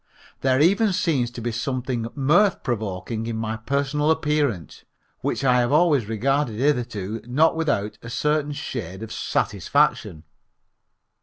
There even seems to be something mirth provoking in my personal appearance, which I have always regarded hitherto not without a certain shade of satisfaction.